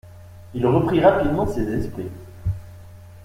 Il reprit rapidement ses esprits.